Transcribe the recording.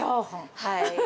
はい。